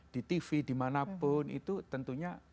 di tv dimanapun itu tentunya